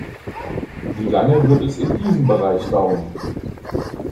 Wie lange wird es in diesem Bereich dauern?